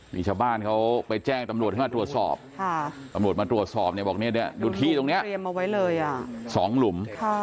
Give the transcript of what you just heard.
มีชาวบ้านเขาไปแจ้งตำรวจมาตรวจสอบตำรวจมาตรวจสอบเนี่ยบอกเนี่ยดูที่ตรงเนี้ยสองหลุม